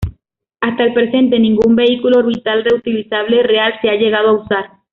Hasta el presente ningún vehículo orbital reutilizable real se ha llegado a usar.